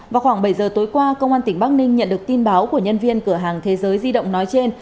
vào khoảng bảy giờ tối qua công an tỉnh bắc ninh nhận được tin báo của nhân viên cửa hàng thế giới di động nói trên